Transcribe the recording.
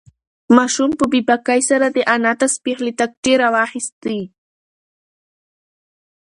ماشوم په بې باکۍ سره د انا تسبیح له تاقچې راوخیستې.